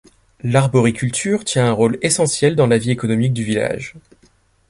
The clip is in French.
L'arboriculture tient un rôle essentiel dans la vie économique du village.